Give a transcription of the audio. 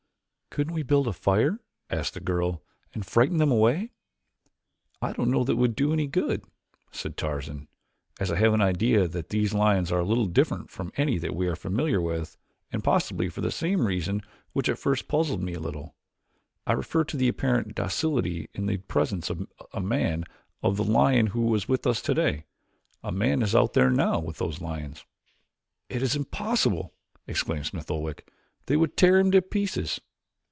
"Couldn't we build a fire," asked the girl, "and frighten them away?" "I don't know that it would do any good," said Tarzan, "as I have an idea that these lions are a little different from any that we are familiar with and possibly for the same reason which at first puzzled me a little I refer to the apparent docility in the presence of a man of the lion who was with us today. A man is out there now with those lions." "It is impossible!" exclaimed Smith Oldwick. "They would tear him to pieces."